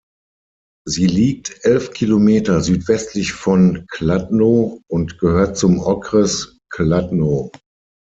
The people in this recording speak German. Sie liegt elf Kilometer südwestlich von Kladno und gehört zum Okres Kladno.